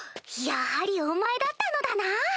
やはりお前だったのだな。